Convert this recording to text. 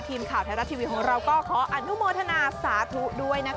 ทีมข่าวไทยรัฐทีวีของเราก็ขออนุโมทนาสาธุด้วยนะคะ